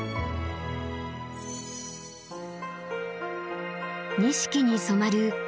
錦に染まる石山。